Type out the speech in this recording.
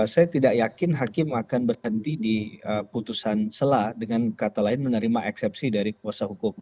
saya tidak yakin hakim akan berhenti di putusan selah dengan kata lain menerima eksepsi dari kuasa hukum